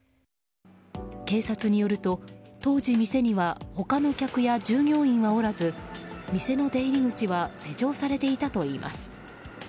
警察によると当時、店には他の客や従業員はおらず店の出入り口は施錠されていたといいます。